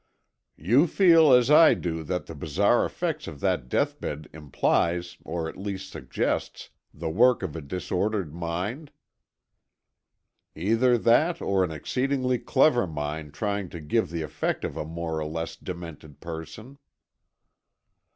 "You feel, as I do, that the bizarre effects of that deathbed implies, or at least suggests, the work of a disordered mind?" "Either that, or an exceedingly clever mind trying to give the effect of a more or less demented person."